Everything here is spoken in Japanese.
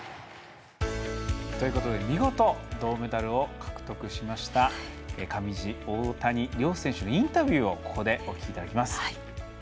見事、銅メダルを獲得しました上地、大谷両選手のインタビューをお聞きいただきます。